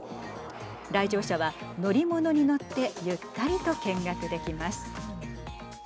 来場者は乗り物に乗ってゆったりと見学できます。